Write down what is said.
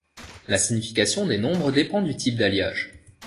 La signification des nombres dépend du type d'alliage.